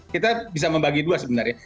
kita bisa membagi dua sebenarnya